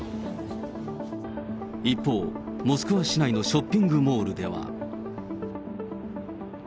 一方、モスクワ市内のショッピングモールでは。